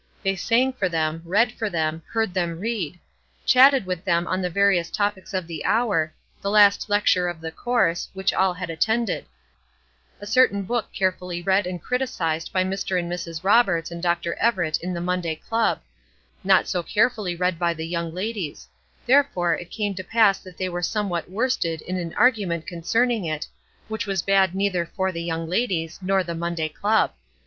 They sang for them, read for them, heard them read; chatted with them on the various topics of the hour, the last lecture of the course, which all had attended; a certain book carefully read and criticised by Mr. and Mrs. Roberts and Dr. Everett in the Monday Club, not so carefully read by the young ladies; therefore, it came to pass that they were somewhat worsted in an argument concerning it, which was bad neither for the young ladies nor the Monday Club.